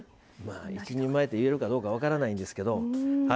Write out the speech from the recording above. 一人前って言えるかどうか分からないんですけど。